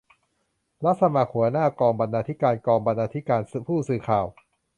รับสมัครหัวหน้ากองบรรณาธิการ-กองบรรณาธิการ-ผู้สื่อข่าว